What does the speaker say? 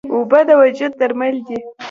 اوبه د وجود درمل دي.